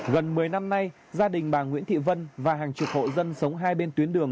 gần một mươi năm nay gia đình bà nguyễn thị vân và hàng chục hộ dân sống hai bên tuyến đường